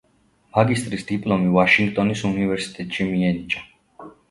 მაგისტრის დიპლომი ვაშინგტონის უნივერსიტეტში მიენიჭა.